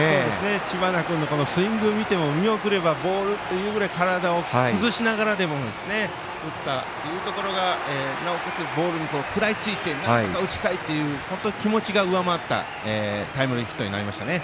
知花君のスイング見ても見送ればボールというくらい体を崩しながらでも打ったというところが、なおかつボールに食らいついてなんとか打ちたいという気持ちが上回ったタイムリーヒットになりましたね。